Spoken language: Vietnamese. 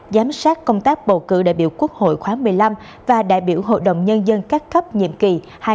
giám sát công tác bầu cử đại biểu quốc hội khóa một mươi năm và đại biểu hội đồng nhân dân các cấp nhiệm kỳ hai nghìn hai mươi một hai nghìn hai mươi một